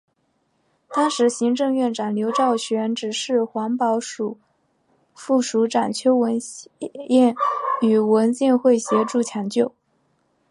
当时行政院长刘兆玄指示环保署副署长邱文彦与文建会协助抢救。